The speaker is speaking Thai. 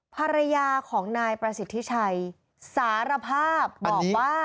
ภรรยาของนายประสิทธิชัยสารภาพบอกว่า